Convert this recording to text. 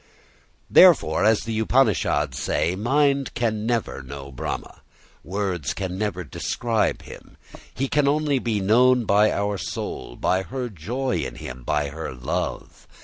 Therefore, as the Upanishads say, mind can never know Brahma, words can never describe him; he can only be known by our soul, by her joy in him, by her love.